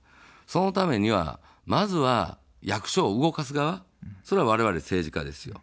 そのためには、まずは役所を動かす側、それはわれわれ政治家ですよ。